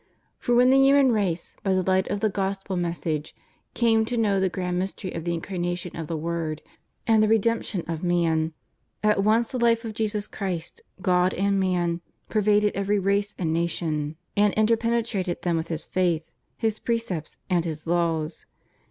For when the human race, by the light of the Gospel message, came to know the grand mystery of the Incarnation of the Word and the redemption of man, at once the life of Jesus Christ, God and Man, pervaded every race and nation, and interpenetrated them with His faith. His precepts and His laws.